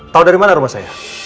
tahu dari mana rumah saya